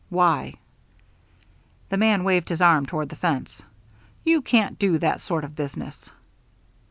"Why?" The man waved his arm toward the fence. "You can't do that sort of business."